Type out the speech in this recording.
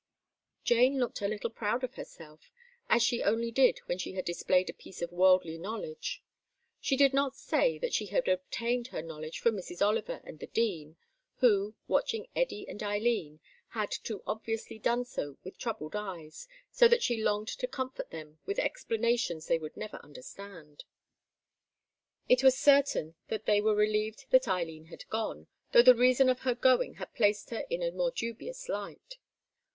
Jane looked a little proud of herself, as she only did when she had displayed a piece of worldly knowledge. She did not say that she had obtained her knowledge from Mrs. Oliver and the Dean, who, watching Eddy and Eileen, had too obviously done so with troubled eyes, so that she longed to comfort them with explanations they would never understand. It was certain that they were relieved that Eileen had gone, though the reason of her going had placed her in a more dubious light.